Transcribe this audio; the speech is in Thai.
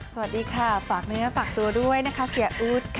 สวัสดีค่ะฝากเนื้อฝากตัวด้วยนะคะเฮียอู๊ดค่ะ